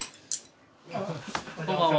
こんばんは。